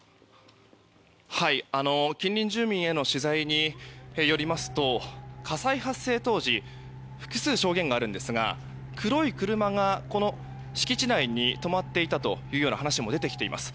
近隣住民への取材によりますと火災発生当時複数証言があるんですが黒い車が敷地内に止まっていたという話も出てきています。